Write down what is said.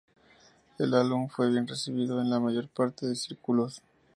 El álbum fue bien recibido en la mayor parte de círculos.